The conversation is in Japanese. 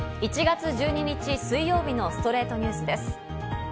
１月１２日、水曜日の『ストレイトニュース』です。